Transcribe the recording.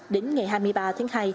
đến ngày hai mươi ba tháng hai